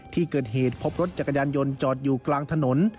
ที่เกิดเหตุพบรถจักรยานยนต์จอดอยู่กลางถนน